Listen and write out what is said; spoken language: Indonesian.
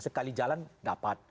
sekali jalan dapat